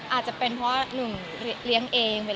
อาจจะเป็นเพราะ๑เรียงเอง